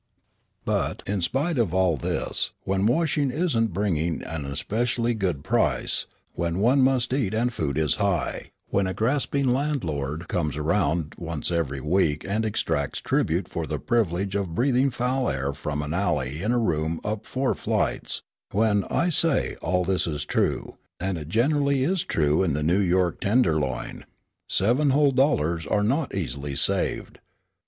But in spite of all this, when washing isn't bringing an especially good price; when one must eat and food is high; when a grasping landlord comes around once every week and exacts tribute for the privilege of breathing foul air from an alley in a room up four flights; when, I say, all this is true, and it generally is true in the New York tenderloin, seven whole dollars are not easily saved.